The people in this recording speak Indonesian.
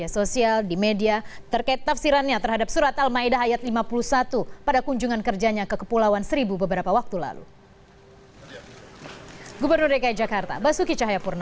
sekitar pukul sepuluh pagi